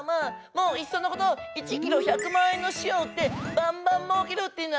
もういっそのこと１ｋｇ１００万円の塩をうってバンバンもうけるっていうのはどうですか？